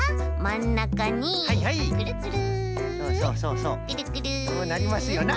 そうなりますよな。